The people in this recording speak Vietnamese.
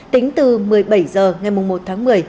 tính từ một mươi bảy h ngày một tháng một mươi